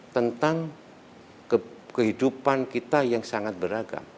tentang kehidupan kita yang sangat beragam